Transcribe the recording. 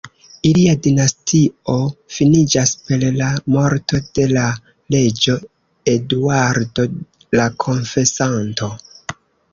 Ilia dinastio finiĝas per la morto de la reĝo Eduardo la Konfesanto.